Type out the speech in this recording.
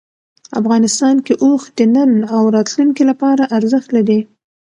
افغانستان کې اوښ د نن او راتلونکي لپاره ارزښت لري.